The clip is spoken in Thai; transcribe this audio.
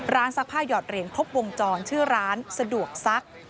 ซักผ้าหยอดเหรียญครบวงจรชื่อร้านสะดวกซัก